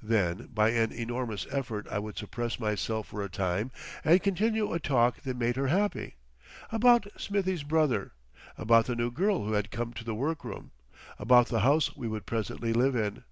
Then by an enormous effort I would suppress myself for a time and continue a talk that made her happy, about Smithie's brother, about the new girl who had come to the workroom, about the house we would presently live in.